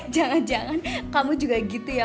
jangan jangan kamu juga gitu ya